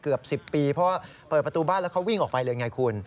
เกือบ๑๐ปีเพราะว่าเปิดประตูบ้านแล้วเขาวิ่งออกไปเลยไงคุณ